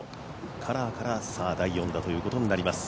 カラーから第４打ということになります。